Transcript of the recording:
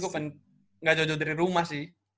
gue pengennya gak jauh jauh dari rumah sih